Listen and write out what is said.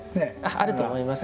あると思います。